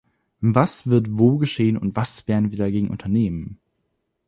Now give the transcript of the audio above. Was wird wo geschehen, und was werden wir dagegen unternehmen?